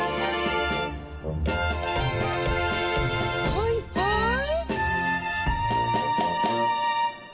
はいはい。